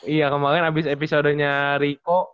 iya kemarin abis episodenya riko